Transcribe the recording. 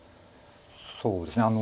そうですね。